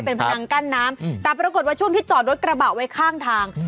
เป็นพนังกั้นน้ำแต่ปรากฏว่าช่วงที่จอดรถกระบะไว้ข้างทาง